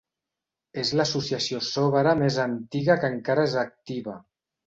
És l'associació sòraba més antiga que encara és activa.